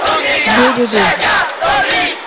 Dideere-duu.